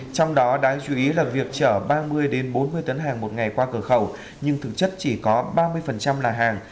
trong đó đáng chú ý là việc chở ba mươi bốn mươi tấn hàng một ngày qua cửa khẩu nhưng thực chất chỉ có ba mươi là hàng